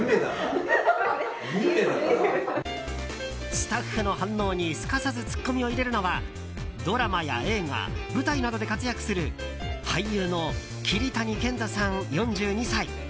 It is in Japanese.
スタッフの反応にすかさずツッコミを入れるのはドラマや映画舞台などで活躍する俳優の桐谷健太さん、４２歳。